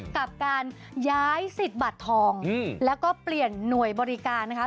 กับการย้ายสิทธิ์บัตรทองแล้วก็เปลี่ยนหน่วยบริการนะคะ